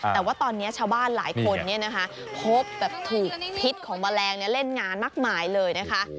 แต่ว่าตอนนี้ชาวบ้านหลายคนพบแบบถูกพิษของแมลงเล่นงานมากมายเลยนะคะ